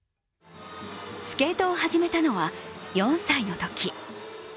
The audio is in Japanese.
スケートを始めたのは４歳のとき。